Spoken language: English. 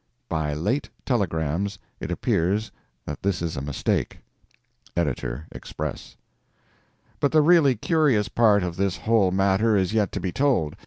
(By late telegrams it appears that this is a mistake. Editor Express.) But the really curious part of this whole matter is yet to be told.